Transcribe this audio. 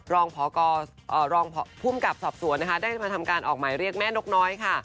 รองภูมิกับสอบสวนนะคะได้มาทำการออกหมายเรียกแม่นกน้อยค่ะ